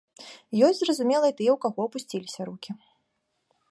Ёсць, зразумела, і тыя, у каго апусціліся рукі.